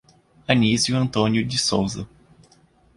Anizio Antônio de Souza